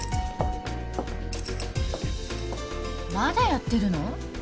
まだやってるの？